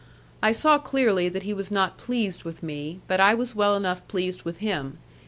I saw clearly that he was not pleased with me, but I was well enough pleased with him.